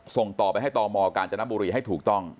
ส่งต่อไปให้ตมกาญจนบุรีให้ถูกต้อง